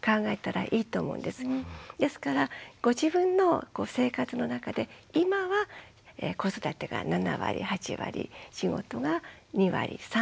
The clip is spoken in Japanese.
ですからご自分の生活の中で今は子育てが７割８割仕事が２割３割でもいいと思うんです。